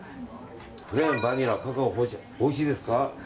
プレーン、バニラカカオ、ほうじ茶おいしいですか？